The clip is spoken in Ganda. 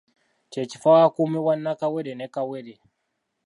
Kye kifo awakuumibwa nnakawere ne kawere.